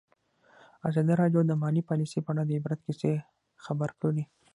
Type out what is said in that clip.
ازادي راډیو د مالي پالیسي په اړه د عبرت کیسې خبر کړي.